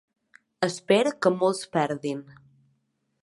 Espero que molts perdin.